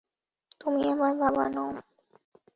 তুমি আমার বাবা নও।